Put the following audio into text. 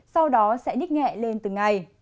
sau đó sẽ đích nghẹ lên từ ngày